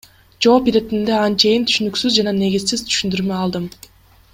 Жооп иретинде анчейин түшүнүксүз жана негизсиз түшүндүрмө алдым.